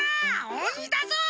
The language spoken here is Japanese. おにだぞ！